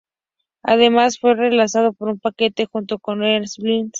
Además, fue re-lanzado en un paquete junto con Greatest Hits.